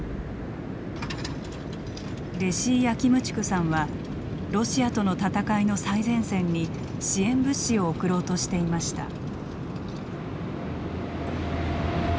レシィ・ヤキムチュクさんはロシアとの戦いの最前線に支援物資を送ろうとしていました。